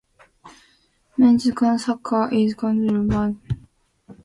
Men's Soccer is Coached by Geoffrey Hawkins, Esquire, Christopher Burgess, and Julian Portugal.